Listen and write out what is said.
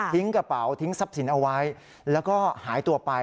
กระเป๋าทิ้งทรัพย์สินเอาไว้แล้วก็หายตัวไป